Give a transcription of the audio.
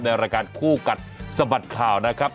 ในรายการคู่กัดสะบัดข่าวนะครับ